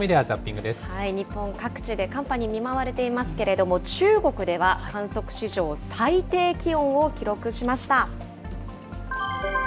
日本各地で寒波に見舞われていますけれども、中国では、観測史上最低気温を記録しました。